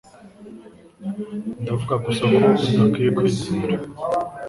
Ndavuga gusa ko udakwiye kwizera